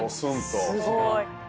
すごい。